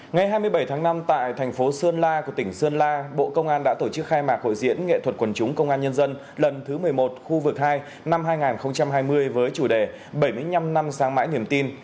ngày hai mươi bảy tháng năm tại thành phố sơn la của tỉnh sơn la bộ công an đã tổ chức khai mạc hội diễn nghệ thuật quần chúng công an nhân dân lần thứ một mươi một khu vực hai năm hai nghìn hai mươi với chủ đề bảy mươi năm năm sáng mãi niềm tin